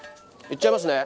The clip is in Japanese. いっちゃいますね。